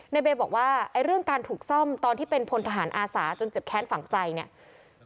เบย์บอกว่าไอ้เรื่องการถูกซ่อมตอนที่เป็นพลทหารอาสาจนเจ็บแค้นฝังใจเนี่ย